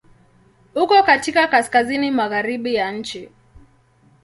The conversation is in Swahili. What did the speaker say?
Uko katika Kaskazini magharibi ya nchi.